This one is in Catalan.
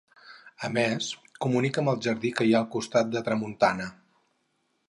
A més, comunica amb el jardí que hi ha al costat de tramuntana.